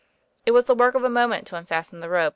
It was the work of a moment to unfasten the rope.